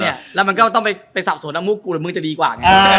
เนี้ยแล้วมันก็ต้องไปไปสะสมต้องมุกกว่ามึงจะดีกว่าอ้า